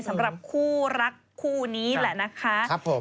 สำหรับคู่รักคู่นี้แหละนะคะ